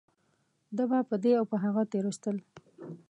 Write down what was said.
ده به په دې او په هغه تېرويستل .